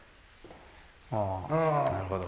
ああなるほど。